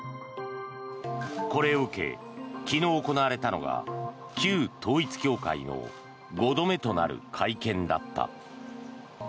これを受け、昨日行われたのが旧統一教会の５度目となる会見だった。